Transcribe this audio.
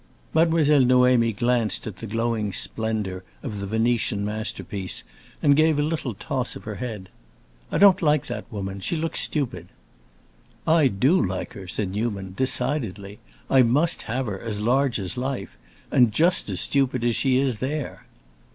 Mademoiselle Noémie glanced at the glowing splendor of the Venetian masterpiece and gave a little toss of her head. "I don't like that woman. She looks stupid." "I do like her," said Newman. "Decidedly, I must have her, as large as life. And just as stupid as she is there."